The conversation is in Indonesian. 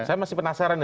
saya masih penasaran ya